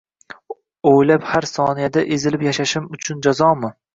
Oʻylab har soniyamda ezilib yashashim uchun jazomi??